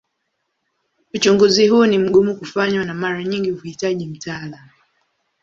Uchunguzi huu ni mgumu kufanywa na mara nyingi huhitaji mtaalamu.